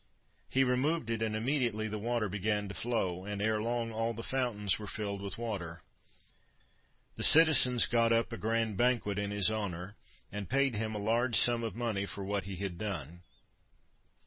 He removed it, and immediately the water began to flow, and ere long all the fountains were filled with water. The citizens got up a grand banquet in his honour, and paid him a large sum of money for what he had done.